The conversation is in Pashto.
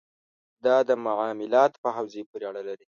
دا د معاملاتو په حوزې پورې اړه لري.